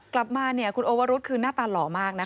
กลับมาคุณโอวรุษคือหน้าตาหล่อมากนะคะ